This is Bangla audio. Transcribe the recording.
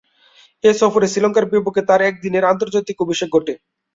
এ সফরে শ্রীলঙ্কার বিপক্ষে তার একদিনের আন্তর্জাতিকে অভিষেক ঘটে।